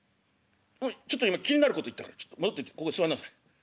「ちょっと今気になること言ったから戻ってここ座んなさい」。